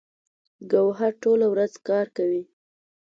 ګوهر ټوله ورځ کار کوي